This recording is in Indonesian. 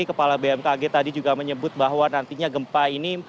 kepala bmkg tadi juga menyebut bahwa nantinya gempa ini